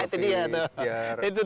itu dia tuh